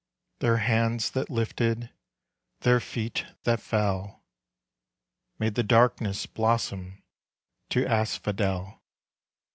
Their hands that lifted, their feet that fell, Made the darkness blossom to asphodel.